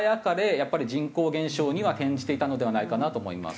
やっぱり人口減少には転じていたのではないかなと思います。